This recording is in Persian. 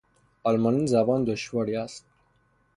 آلمانی زبان دشواری است.